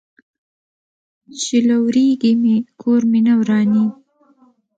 ـ چې لوريږي مې، کور مې نه ورانيږي.